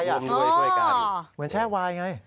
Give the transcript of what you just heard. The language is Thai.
เหมือนแช่ไวน์ไง